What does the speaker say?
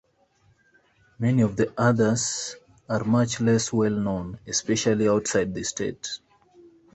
Many of the others are much less well-known, especially outside the state.